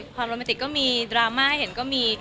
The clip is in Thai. พอโรแมนติกก็มีดราม่าให้เห็นก็มี